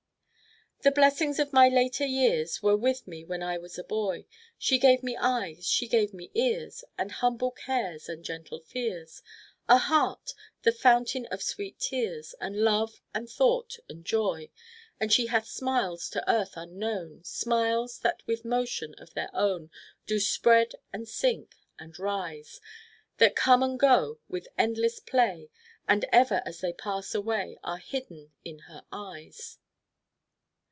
"The blessings of my later years Were with me when I was a boy. She gave me eyes, she gave me ears, And humble cares and gentle fears, A heart! the fountain of sweet tears, And love and thought and joy. And she hath smiles to earth unknown, Smiles that with motion of their own Do spread and sink and rise; That come and go with endless play, And ever as they pass away Are hidden in her eyes."